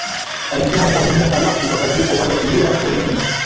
Alisimama kwa muda halafu akazunguka upande wa kulia wa ile nyumba